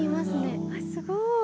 すごい。